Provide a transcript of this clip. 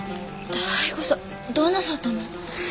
醍醐さんどうなさったの？